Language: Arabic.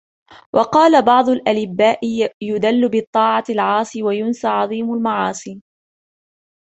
وَقَالَ بَعْضُ الْأَلِبَّاءِ يُدِلُّ بِالطَّاعَةِ الْعَاصِي وَيَنْسَى عَظِيمَ الْمَعَاصِي